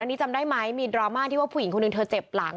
อันนี้จำได้ไหมมีดราม่าที่ว่าผู้หญิงคนหนึ่งเธอเจ็บหลัง